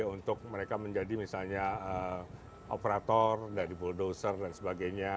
jadi untuk mereka menjadi misalnya operator dari bulldozer dan sebagainya